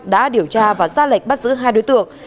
đã điều tra và ra lệnh bắt giữ hai đối tượng